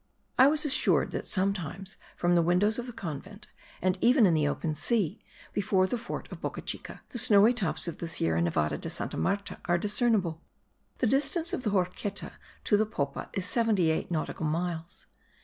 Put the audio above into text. I was assured that sometimes from the windows of the convent and even in the open sea, before the fort of Boca Chica, the snowy tops of the Sierra Nevada de Santa Marta are discernible. The distance of the Horqueta to the Popa is seventy eight nautical miles.